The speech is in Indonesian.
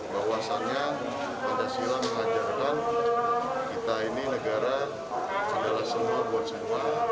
bahwasannya pancasila mengajarkan kita ini negara adalah semua buat semua